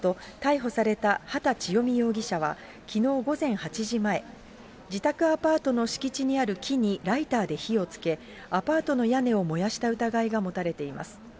警察によりますと、逮捕された畑千代美容疑者はきのう午前８時前、自宅アパートの敷地にある木にライターで火をつけ、アパートの屋根を燃やした疑いが持たれています。